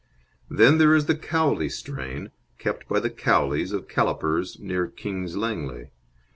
Then there is the Cowley strain, kept by the Cowleys of Callipers, near King's Langley.